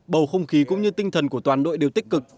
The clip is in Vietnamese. bầu không khí cũng như tinh thần của toàn đội đều tích cực